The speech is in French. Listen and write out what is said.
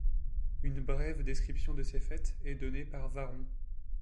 Une brève description de ces fêtes est donnée par Varron.